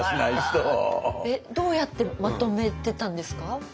えっどうやってまとめてたんですか？